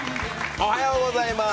おはようございます。